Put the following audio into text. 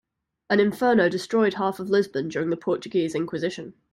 An inferno destroyed half of Lisbon during the Portuguese inquisition.